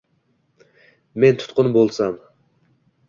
Men tutqun bo’lsam